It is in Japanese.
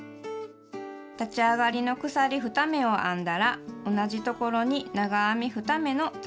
立ち上がりの鎖２目を編んだら同じところに長編み２目の玉編みを編みます。